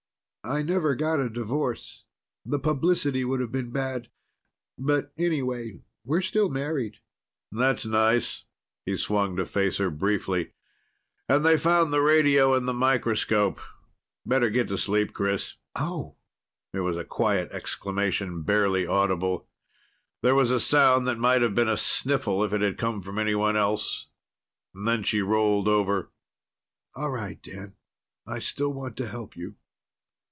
"I never got a divorce. The publicity would have been bad. But anyway, we're still married." "That's nice." He swung to face her briefly. "And they found the radio in the microscope. Better get to sleep, Chris." "Oh." It was a quiet exclamation, barely audible. There was a sound that might have been a sniffle if it had come from anyone else. Then she rolled over. "All right, Dan. I still want to help you."